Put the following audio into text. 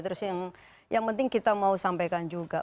terus yang penting kita mau sampaikan juga